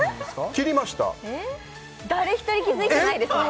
切りました誰一人気づいてないですね